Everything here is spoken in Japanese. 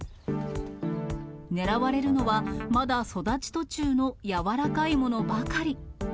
狙われるのは、まだ育ち途中の柔らかいものばかり。